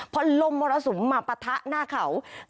พอลมมรสุมมาปะทะหน้าเขา